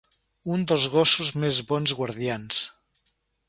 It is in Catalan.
Un dels gossos més bons guardians.